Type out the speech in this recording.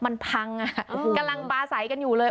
มันพังอ่ะกำลังปลาใสกันอยู่เลย